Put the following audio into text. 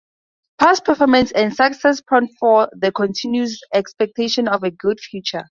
Past performance, and successes prommptfor the continued expectation of a good future.